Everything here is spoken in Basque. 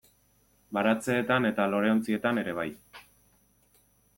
Baratzeetan eta loreontzietan ere bai.